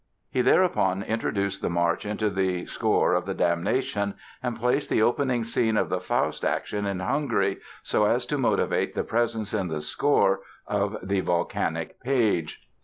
He thereupon introduced the march into the score of "The Damnation" and placed the opening scene of the Faust action in Hungary so as to motivate the presence in the score of the volcanic page.